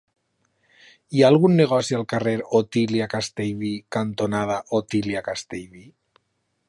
Hi ha algun negoci al carrer Otília Castellví cantonada Otília Castellví?